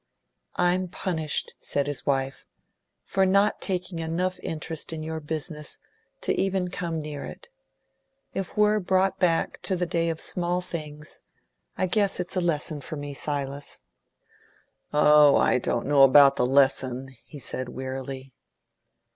"I'm punished," said his wife, "for not taking enough interest in your business to even come near it. If we're brought back to the day of small things, I guess it's a lesson for me, Silas." "Oh, I don't know about the lesson," he said wearily.